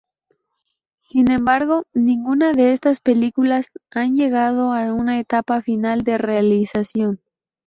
Sin embargo, ninguna de estas películas han llegado a una etapa final de realización.